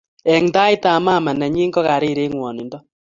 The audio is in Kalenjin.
eng tait ab mama nenyin ko karir eng ngwanindo